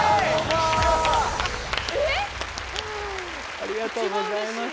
ありがとうございます。